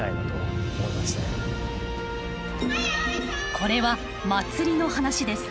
これは祭りの話です。